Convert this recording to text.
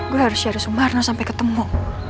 gue harus jaduh sumarno sampai ketemu